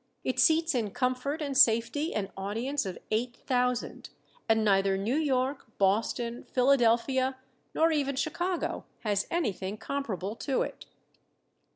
It seats in comfort and safety an audience of eight thousand, and neither New York, Boston, Philadelphia, nor even Chicago, has anything comparable to it.